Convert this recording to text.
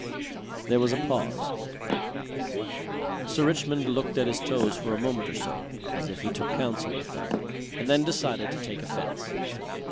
There was a pause. Sir Richmond looked at his toes for a moment or so as if he took counsel with them and then decided to take offence.